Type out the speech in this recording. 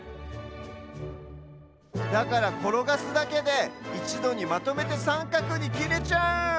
だからころがすだけでいちどにまとめてさんかくにきれちゃう！